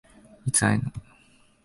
いつ会えんの？